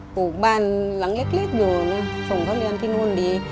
ปลูกบ้านหลังเล็กอยู่ส่งเขาเรียนที่นู่นดี